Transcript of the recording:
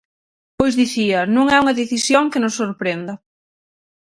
Pois dicía: non é unha decisión que nos sorprenda.